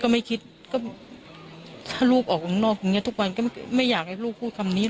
ไม่คิดก็ถ้าลูกออกข้างนอกอย่างนี้ทุกวันก็ไม่อยากให้ลูกพูดคำนี้